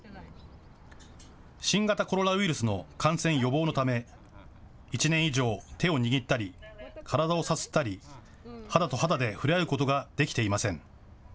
新型コロナウイルスの感染予防のため１年以上、手を握ったり、体をさすったり肌と肌で触れ合うことができていません。